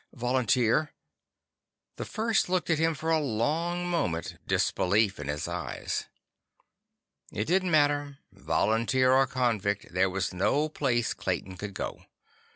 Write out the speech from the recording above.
"Volunteer." The First looked at him for a long moment, disbelief in his eyes. It didn't matter. Volunteer or convict, there was no place Clayton could go.